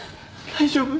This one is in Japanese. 大丈夫？